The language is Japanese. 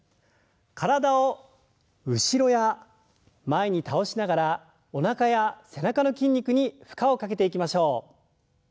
体を後ろや前に倒しながらおなかや背中の筋肉に負荷をかけていきましょう。